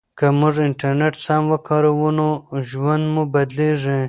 که موږ انټرنیټ سم وکاروو نو ژوند مو بدلیږي.